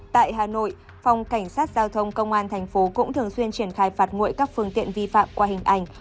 tại hà nội phòng cảnh sát giao thông công an thành phố cũng thường xuyên triển khai phạt nguội các phương tiện vi phạm qua hình ảnh